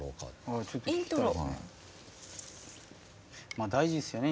まあ大事ですよね